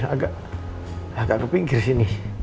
agak ke pinggir sini